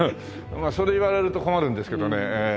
まあそれを言われると困るんですけどね。